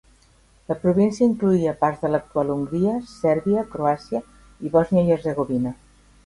La província incloïa parts de l'actual Hongria, Sèrbia, Croàcia i Bòsnia i Hercegovina.